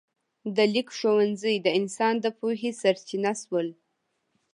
د لیک ښوونځي د انسان د پوهې سرچینه شول.